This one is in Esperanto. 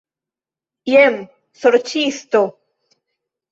Jen, sorĉisto!